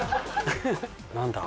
何だ？